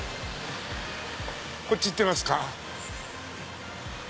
こっち行ってみますか。